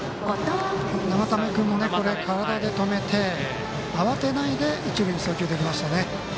生田目君も体で止めて慌てないで一塁送球でいきましたね。